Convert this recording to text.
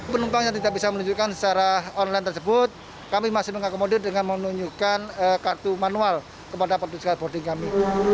penumpang yang tidak bisa menunjukkan secara online tersebut kami masih mengakomodir dengan menunjukkan kartu manual kepada petugas boarding kami